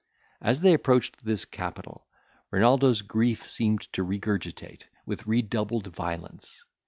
As they approached this capital, Renaldo's grief seemed to regurgitate with redoubled violence.